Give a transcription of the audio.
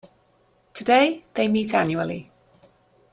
Today, they meet annually.